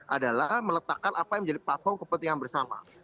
adalah meletakkan apa yang menjadi platform kepentingan bersama